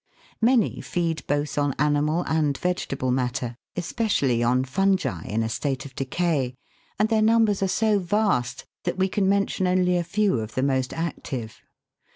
Many feed both on animal and vegetable matter, especi Fig. 43. BURYING BEETLES. ally on fungi in a state of decay, and their numbers are so vast that we can mention only a few of the most active.